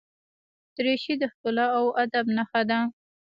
دریشي د ښکلا او ادب نښه ده.